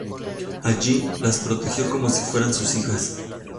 Allí, las protegió como si fueran sus hijas.